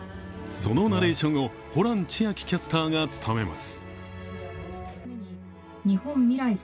そのナレーションをホラン千秋キャスターが務めます。